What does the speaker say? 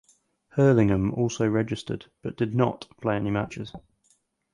Hurlingham also registered but did not play any matches.